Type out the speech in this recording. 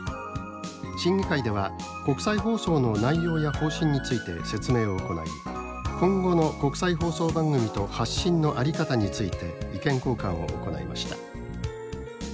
審議会では国際放送の内容や方針について説明を行い今後の国際放送番組と発信の在り方について意見交換を行いました。